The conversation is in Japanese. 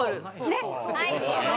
ねっ。